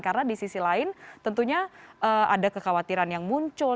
karena di sisi lain tentunya ada kekhawatiran yang muncul